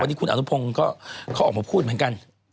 วันนี้คุณอนุพงศ์เขาออกมาพูดเหมือนกัน